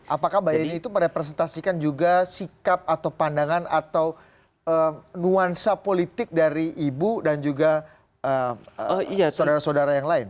apakah mbak yeni itu merepresentasikan juga sikap atau pandangan atau nuansa politik dari ibu dan juga saudara saudara yang lain